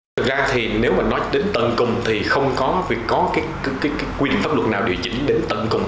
thực ra thì nếu mà nói đến tầng cùng thì không có việc có cái quy định pháp luật nào điều chỉnh đến tận cùng